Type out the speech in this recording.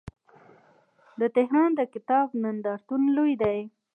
د تهران د کتاب نندارتون لوی دی.